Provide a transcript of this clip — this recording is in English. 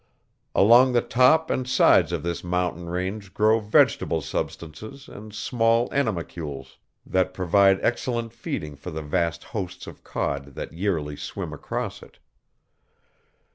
Along the top and sides of this mountain range grow vegetable substances and small animalcules that provide excellent feeding for the vast hosts of cod that yearly swim across it.